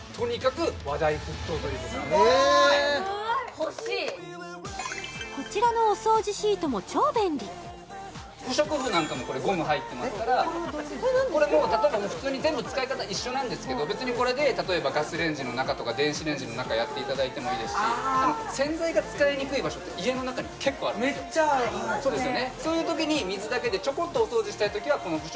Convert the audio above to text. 欲しいっこちらのお掃除シートも超便利不織布なんかもこれゴム入ってますからこれもう例えば普通に全部使い方一緒なんですけど別にこれで例えばガスレンジの中とか電子レンジの中やっていただいてもいいですしめっちゃあるわそうですよね